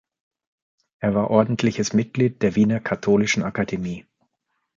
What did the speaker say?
Er war Ordentliches Mitglied der Wiener Katholischen Akademie.